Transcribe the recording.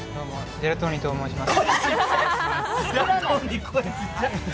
ジェラトーニといいます。